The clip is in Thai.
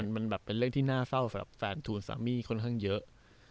มันแบบเป็นเรื่องที่น่าเศร้าสำหรับแฟนทูลสามีค่อนข้างเยอะ